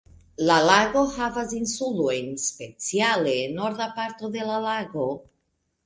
La lago havas insulojn speciale en norda parto de la lago.